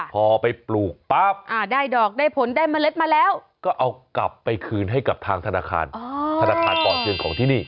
พอไปปลูกปั๊บได้ดอกได้ผลได้เมล็ดมาแล้วก็เอากลับไปคืนให้กับทางธนาคารธนาคารต่อเดือนของที่นี่